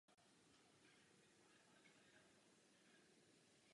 Veslování se věnoval na Temži v Leander Clubu.